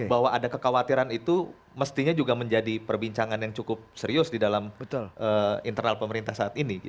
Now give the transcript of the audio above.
bahwa ada kekhawatiran itu mestinya juga menjadi perbincangan yang cukup serius di dalam internal pemerintah saat ini